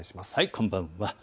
こんばんは。